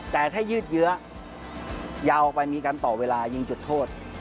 แต่ถ้ายืดเยื้อยาวไปมีการต่อเวลายิงจุดโทษ